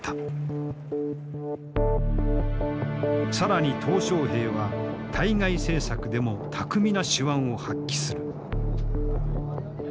更に小平は対外政策でも巧みな手腕を発揮する。